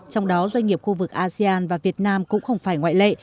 trong đó doanh nghiệp khu vực asean và việt nam cũng không phải ngoại lệ